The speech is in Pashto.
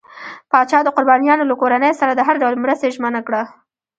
پاچا د قربانيانو له کورنۍ سره د هر ډول مرستې ژمنه کړه.